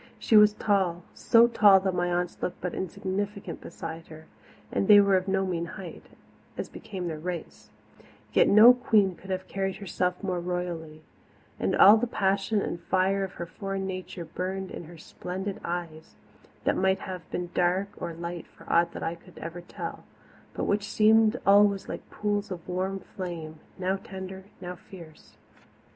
She was tall so tall that my aunts looked but insignificant beside her, and they were of no mean height, as became their race; yet no queen could have carried herself more royally, and all the passion and fire of her foreign nature burned in her splendid eyes, that might have been dark or light for aught that I could ever tell, but which seemed always like pools of warm flame, now tender, now fierce.